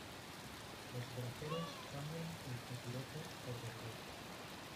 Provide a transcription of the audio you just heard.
Los braceros cambian el capirote por verdugo.